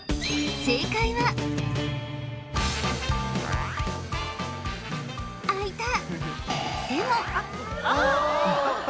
正解は開いた！